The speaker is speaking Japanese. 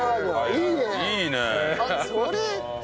いいね！